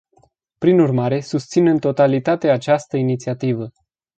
Prin urmare, susțin în totalitate această inițiativă.